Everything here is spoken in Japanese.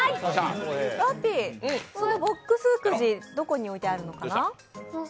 ラッピー、そのボックスくじどこに置いてあるのかな？